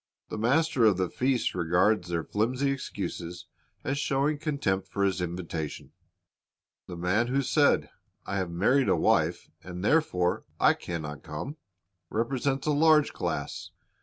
The Master of the feast regards their flimsy excuses as showing contempt for His invitation. The man who said, 'T have married a wife, and therefore I can not come," represents a large class.